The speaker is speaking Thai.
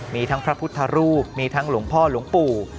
มีทั้งพระพุทธรูปมีทั้งหลวงพ่อหลวงปู่